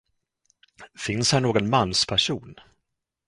Finns här någon mansperson?